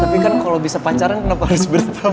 tapi kan kalo bisa pacaran kenapa harus berteman